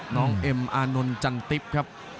น้องเอ็มอานุนจันทริปครับ